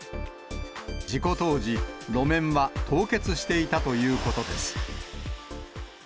事故当時、路面は凍結していたということです。